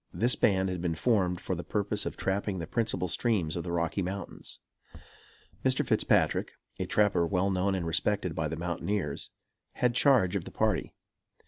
This band had been formed for the purpose of trapping the principal streams of the Rocky Mountains. Mr. Fitzpatrick, a trapper well known and respected by the mountaineers, had charge of the party.